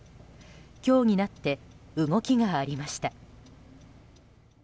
今日になって動きがありました。